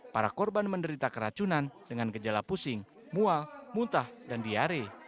para korban menderita keracunan dengan gejala pusing mual muntah dan diare